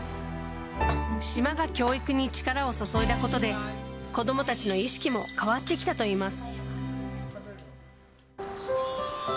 島が教育に力を注いだことで、子どもたちの意識も変わってきたといいます。